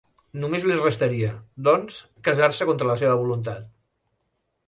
Només li restaria, doncs, casar-se contra la seva voluntat.